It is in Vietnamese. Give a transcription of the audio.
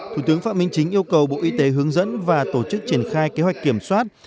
thủ tướng phạm minh chính yêu cầu bộ y tế hướng dẫn và tổ chức triển khai kế hoạch kiểm soát